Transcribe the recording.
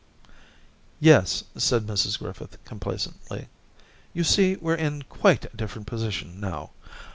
' Yes/ said Mrs Grififith, complacently, * you see we're in quite a difforent position how.